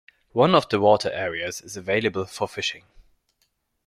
One of the water areas is available for fishing.